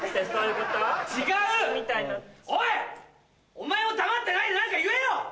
お前は黙ってないで何か言えよ！